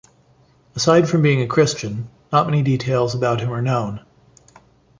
Aside from being a Christian, not many details about him are known.